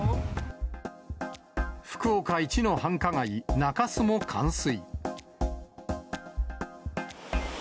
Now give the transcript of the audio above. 福岡一の繁華街、中洲も冠水。